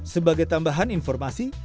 sebagai tambahan informasi